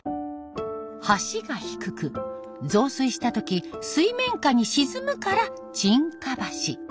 橋が低く増水した時水面下に沈むから沈下橋。